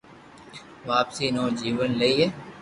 واپسي نوو جيون لئي